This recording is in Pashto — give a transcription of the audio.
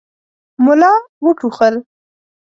ملا وټوخل.